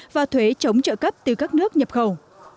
và thuế chống trợ cấp từ các nước nhập khẩu